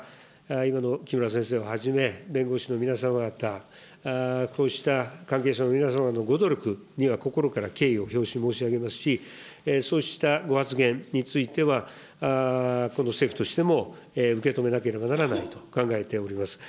今の木村先生をはじめ、弁護士の皆様方、こうした関係者の皆様のご努力には心から敬意を表し申し上げますし、そうしたご発言については、この政府としても受け止めなければならないと考えております。